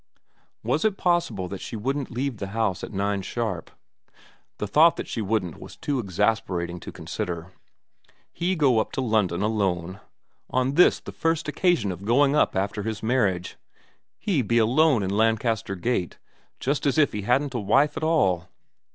Was it possible that she wouldn't leave the house at nine sharp ? The thought that she wouldn't was too exasperating to consider. He go up to London alone ? On this the first occasion of going up after his marriage ? He be alone in Lancaster Gate, just as if he hadn't a wife at all